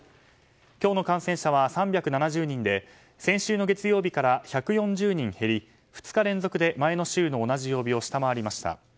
今日の感染者は３７０人で先週の月曜日から１４０人減り２日連続で前の週の同じ曜日を下回りました。